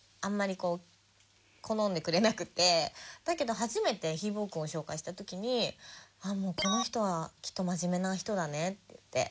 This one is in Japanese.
だけど初めてひーぼぉくんを紹介した時に「もうこの人はきっと真面目な人だね」って言って。